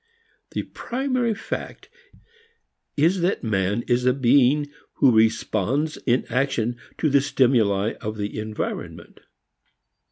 The primary fact is that man is a being who responds in action to the stimuli of the environment.